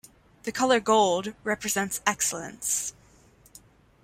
The color gold represents excellence.